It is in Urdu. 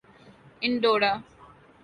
انڈورا